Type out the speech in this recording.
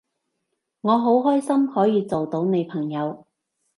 我好開心可以做到你朋友